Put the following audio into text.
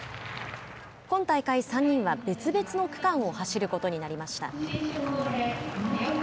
今大会、３人は別々の区間を走ることになりました。